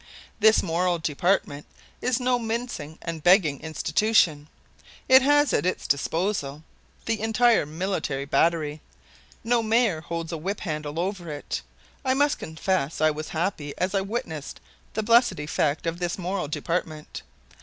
This Moral Department is no mincing and begging institution. It has, at its disposal, the entire military battery. No mayor holds a whip handle over it. I must confess I was happy as I witnessed the blessed effect of this Moral Department.